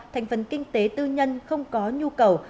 thành phần kinh tế tư nhân không có nhu cầu